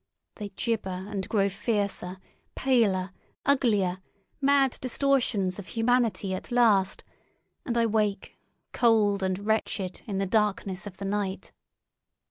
They gibber and grow fiercer, paler, uglier, mad distortions of humanity at last, and I wake, cold and wretched, in the darkness of the night.